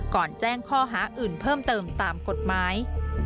แจ้งข้อหาอื่นเพิ่มเติมตามกฎหมาย